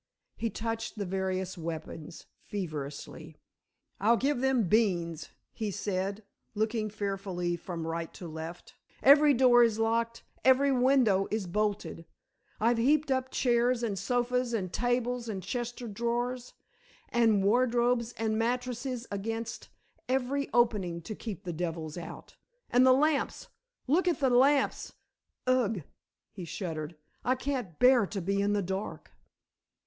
He touched the various weapons feverishly. "I'll give them beans," he said, looking fearfully from right to left. "Every door is locked; every window is bolted. I've heaped up chairs and sofas and tables and chests of drawers, and wardrobes and mattresses against every opening to keep the devils out. And the lamps look at the lamps. Ugh!" he shuddered. "I can't bear to be in the dark."